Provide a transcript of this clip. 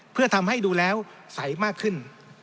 เพื่อทำให้ดูแล้วใสมากขึ้น